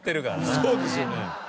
そうですよね。